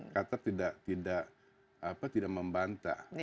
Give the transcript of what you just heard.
qatar tidak membantah